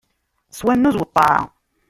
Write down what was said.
S wannuz, u ṭṭaɛa.